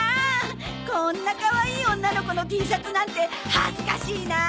こんなかわいい女の子のＴシャツなんて恥ずかしいなあ。